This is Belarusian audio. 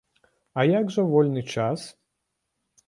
А як жа вольны час?